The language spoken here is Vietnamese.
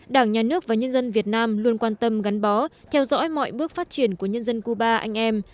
đảng nhà nước và nhân dân việt nam luôn quan tâm gắn bó theo dõi mọi bước phát triển của nhân dân cuba anh em